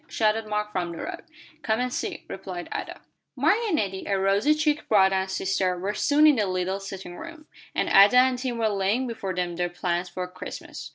shouted Mark from the road. "Come and see," replied Ada. Mark and Nettie, a rosy cheeked brother and sister, were soon in the little sitting room, and Ada and Tim were laying before them their plans for Christmas.